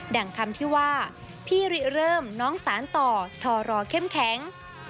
่งคำที่ว่าพี่ริเริ่มน้องสารต่อทรเข้มแข็ง